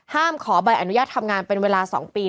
ขอใบอนุญาตทำงานเป็นเวลา๒ปี